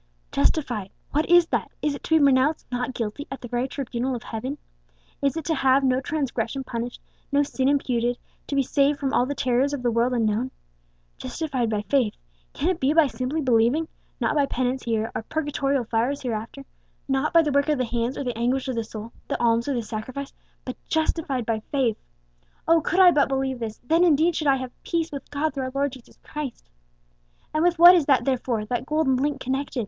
"Justified, what is that? Is it to be pronounced 'not guilty' at the very tribunal of Heaven? Is it to have no transgression punished, no sin imputed; to be saved from all the terrors of the world unknown? Justified by faith. Can it be by simply believing? Not by penance here, or purgatorial fires hereafter; not by the work of the hands or the anguish of the soul, the alms or the sacrifice, but justified by faith. Oh! could I but believe this, then indeed should I have peace with God through our Lord Jesus Christ! "And with what is that therefore, that golden link, connected?"